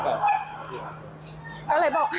เจ้าของห้องเช่าโพสต์คลิปนี้